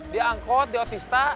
di angkot di otista